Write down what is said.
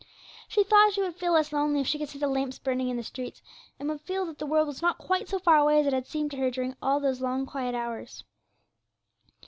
She thought she would feel less lonely if she could see the lamps burning in the streets, and would feel that the world was not quite so far away as it had seemed to her during all those long, quiet hours.